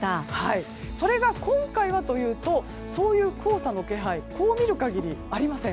それが今回はというとそういう黄砂の気配ありません。